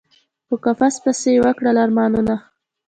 په قفس پسي یی وکړل ارمانونه